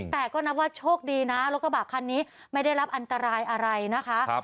แต่ก็นับว่าโชคดีนะรถกระบะคันนี้ไม่ได้รับอันตรายอะไรนะคะ